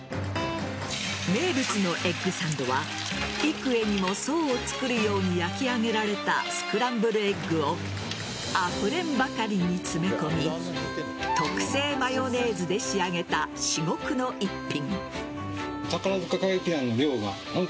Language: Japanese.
名物のエッグサンドは幾重にも層を作るように焼き上げられたスクランブルエッグをあふれんばかりに詰め込み特製マヨネーズで仕上げた至極の一品。